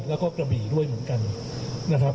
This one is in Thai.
แล้วก็กระบี่ด้วยเหมือนกันนะครับ